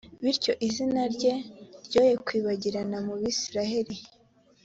bityo izina rye ryoye kwibagirana mu bayisraheli.